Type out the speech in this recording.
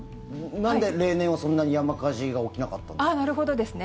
なんで例年はそんなに山火事が起きなかったんですか？